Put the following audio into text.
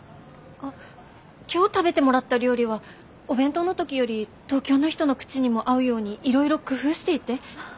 あっ今日食べてもらった料理はお弁当の時より東京の人の口にも合うようにいろいろ工夫していて。